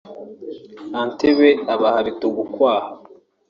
Antebbe abaha bitugukwaha